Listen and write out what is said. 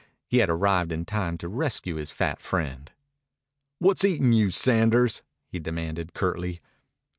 He had arrived in time to rescue his fat friend. "What's eatin' you, Sanders?" he demanded curtly.